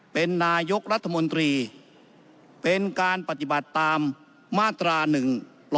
เป็นนายกรัฐมนตรีเป็นการปฏิบัติตามมาตรา๑๔